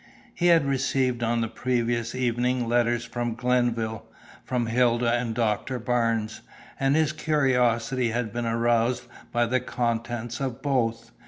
He had received on the previous evening letters from Glenville, from Hilda and Doctor Barnes, and his curiosity had been aroused by the contents of both.